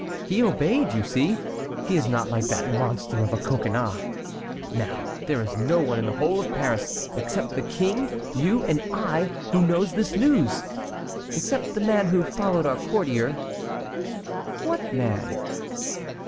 He obeyed, you see; he is not like that monster of a Coconnas. Now there is no one in the whole of Paris, except the King, you, and I, who knows this news; except the man who followed our courier"— "What man?"